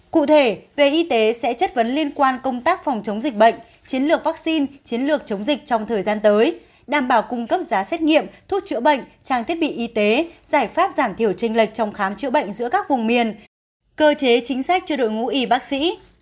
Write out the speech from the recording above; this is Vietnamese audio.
cụ thể về y tế sẽ chất vấn liên quan công tác phòng chống dịch bệnh chiến lược vaccine chiến lược chống dịch trong thời gian tới đảm bảo cung cấp giá xét nghiệm thuốc chữa bệnh trang thiết bị y tế giải pháp giảm thiểu tranh lệch trong khám chữa bệnh giữa các vùng miền cơ chế chính sách cho đội ngũ y bác sĩ